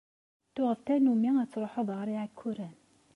Tuɣeḍ tanumi ad truḥeḍ ɣer Iɛekkuren?